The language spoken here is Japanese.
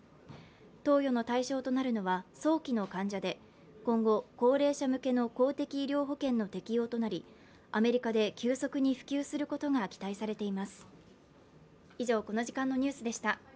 投与の対象となるのは早期の患者で今後、高齢者向けの公的医療保険の適用となりアメリカで急速に普及することが期待されています。